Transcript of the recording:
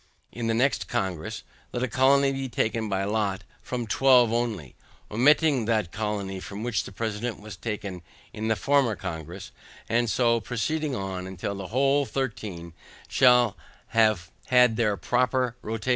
In the next Congress, let a colony be taken by lot from twelve only, omitting that colony from which the president was taken in the former Congress, and so proceeding on till the whole thirteen shall have had their proper rotation.